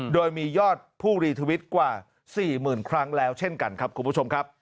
โดยมียอดผู้รีทวิตกว่า๔๐๐๐ครั้งแล้วเช่นกันครับคุณผู้ชมครับ